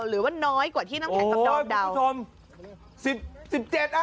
หรือว่าน้อยกว่าที่น้ำแข็งกับดอมเดา